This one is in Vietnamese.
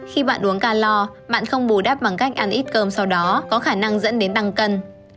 khi bạn uống ca lo bạn không bù đắp bằng cách ăn ít cơm sau đó có khả năng dẫn đến tăng cân